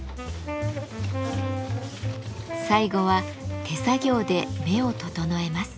最後は手作業で目を整えます。